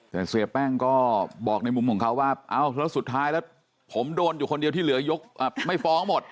แต่เสียแป้งก็บอกในมุมของเขาว่าเอ้าแล้วสุดท้ายแล้วผมโดนอยู่คนเดียวที่เหลือยกไม่ฟ้องหมด